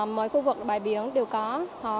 mỗi khu vực bãi biển đều có cứu hộ túc trực